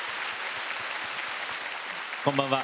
こんばんは。